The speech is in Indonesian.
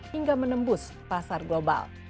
hingga menembus pasar global